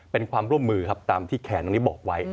เป็นความร่วมมือครับตามที่แขนตรงนี้บอกไว้